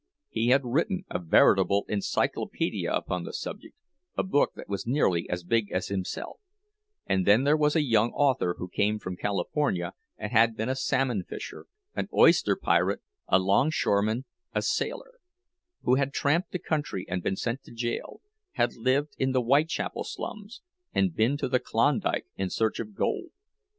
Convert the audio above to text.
He had written a veritable encyclopedia upon the subject, a book that was nearly as big as himself—And then there was a young author, who came from California, and had been a salmon fisher, an oyster pirate, a longshoreman, a sailor; who had tramped the country and been sent to jail, had lived in the Whitechapel slums, and been to the Klondike in search of gold.